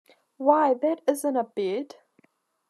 Why, that isn’t a bed!